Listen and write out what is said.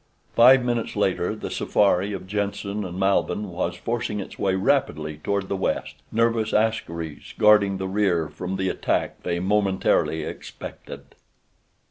Five minutes later the safari of Jenssen and Malbihn was forcing its way rapidly toward the west, nervous askaris guarding the rear from the attack they momentarily expected.